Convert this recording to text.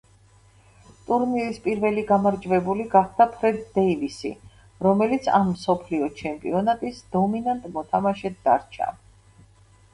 ტურნირის პირველი გამარჯვებული გახდა ფრედ დეივისი, რომელიც ამ „მსოფლიო ჩემპიონატის“ დომინანტ მოთამაშედ დარჩა.